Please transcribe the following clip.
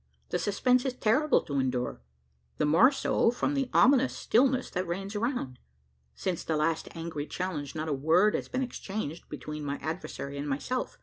The suspense is terrible to endure the more so from the ominous stillness that reigns around. Since the last angry challenge, not a word has been exchanged between my adversary and myself.